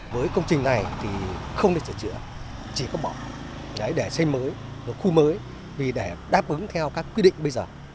với công trình này thì không thể sửa chữa chỉ có bỏ để xây mới khu mới để đáp ứng theo các quy định bây giờ